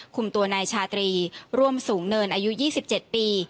คุมตัวนายชาตรีร่วมสูงเนินอายุ๒๗ปี